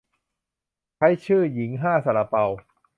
ใช้ชื่อ "หญิงห้าซาลาเปา"